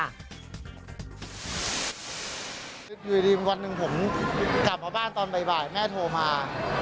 คืออยู่ดีวันหนึ่งผมกลับมาบ้านตอนบ่ายแม่โทรมา